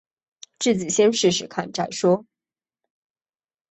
自己先试试看再说